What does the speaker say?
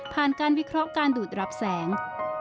ผ่านการวิเคราการดูดรับแสง